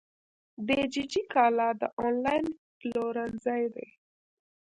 دیجیجی کالا د انلاین پلورنځی دی.